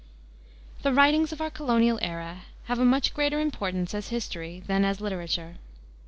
The writings of our colonial era have a much greater importance as history than as literature.